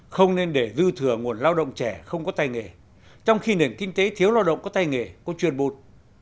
không nên để dư thừa nguồn lao động trẻ không có tay nghề trong khi nền kinh tế thiếu lao động có tay nghề có chuyên bụt